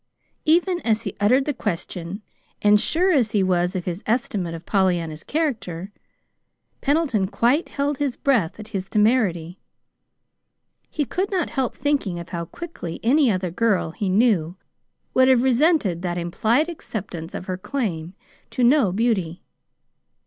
Even as he uttered the question, and sure as he was of his estimate of Pollyanna's character, Pendleton quite held his breath at his temerity. He could not help thinking of how quickly any other girl he knew would have resented that implied acceptance of her claim to no beauty.